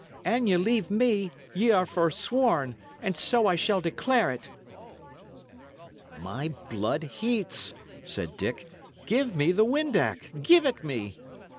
"An ye leave me, y' are forsworn, and so I shall declare it." "My blood heats," said Dick. "Give me the windac! Give it me!"